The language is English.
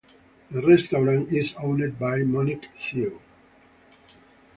The restaurant is owned by Monique Siu.